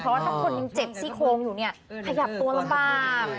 เพราะว่าถ้าคนยังเจ็บซี่โครงอยู่เนี่ยขยับตัวลำบาก